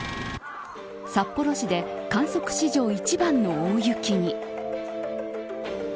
札幌市で観測史上一番の大雪に。